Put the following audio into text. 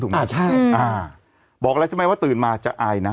ถูกไหมอ่าใช่อ่าบอกอะไรใช่ไหมว่าตื่นมาจะอายน่ะ